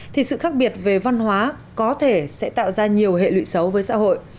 thì sự khác biệt về văn hóa có thể sẽ tạo ra nhiều hệ lụy xấu với xã hội